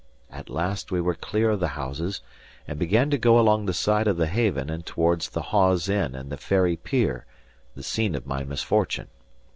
At last we were clear of the houses, and began to go along the side of the haven and towards the Hawes Inn and the Ferry pier, the scene of my misfortune.